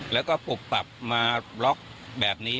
แล้วก็ปลุกปรับมาบล็อกแบบนี้